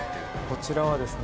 こちらはですね